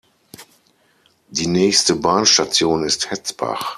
Die nächste Bahnstation ist Hetzbach.